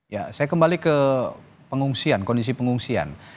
ya saya kembali ke pengungsian kondisi pengungsian